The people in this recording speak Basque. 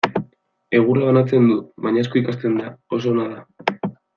Egurra banatzen du, baina asko ikasten da, oso ona da.